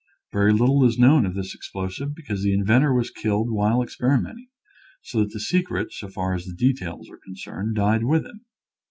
Very little is known of this explosive because the inventor was killed while experi menting, so that the secret, so far as the de tails are concerned, died with him.